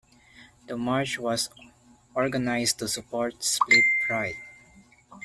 The march was organised to support Split Pride.